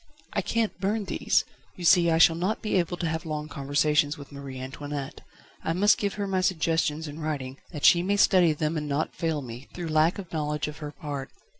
"I can't burn these. You see, I shall not be able to have long conversations with Marie Antoinette. I must give her my suggestions in writing, that she may study them and not fail me, through lack of knowledge of her part."